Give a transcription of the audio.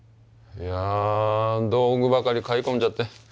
いや道具ばかり買い込んじゃって。